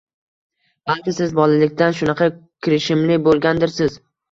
— Balki siz bolalikdan shunaqa kirishimli boʻlgandirsiz